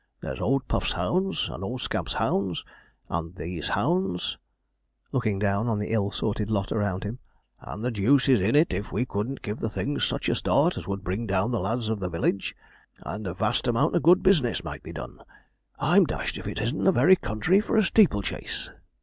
There's old Puff's hounds, and old Scamp's hounds, and these hounds,' looking down on the ill sorted lot around him; 'and the deuce is in it if we couldn't give the thing such a start as would bring down the lads of the "village," and a vast amount of good business might be done. I'm dashed if it isn't the very country for a steeple chase!'